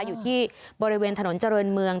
อยู่ที่บริเวณถนนเจริญเมือง